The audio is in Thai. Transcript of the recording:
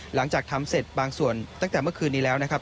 หลังจากทำเสร็จบางส่วนตั้งแต่เมื่อคืนนี้แล้วนะครับ